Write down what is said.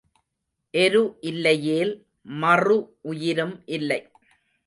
எரு இல்லையேல் மறு பயிரும் இல்லை.